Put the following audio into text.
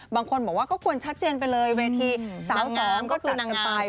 บางคนบอกว่าก็ควรชัดเจนไปเลยเวทีสาวสองก็จัดกันไป